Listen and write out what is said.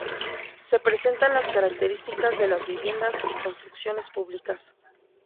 Se presentan las características de las viviendas y construcciones públicas.